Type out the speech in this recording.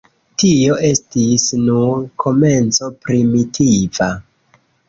Tio estis nur komenco primitiva.